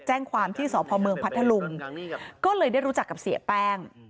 แจ้งความที่สพเมืองพัทธลุงก็เลยได้รู้จักกับเสียแป้ง